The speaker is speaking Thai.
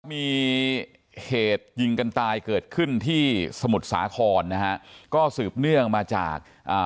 มีเหตุยิงกันตายเกิดขึ้นที่สมุทรสาครนะฮะก็สืบเนื่องมาจากอ่า